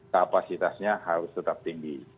kapasitasnya harus tetap tinggi